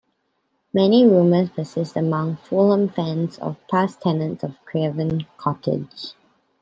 Many rumours persist among Fulham fans of past tenants of Craven Cottage.